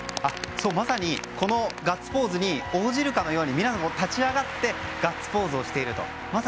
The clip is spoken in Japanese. まさに、このガッツポーズに応じるかのように皆さんも立ち上がってガッツポーズしていると。